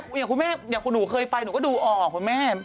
อย่างคุณแม่อย่างคุณหนูเคยไปหนูก็ดูออกคุณแม่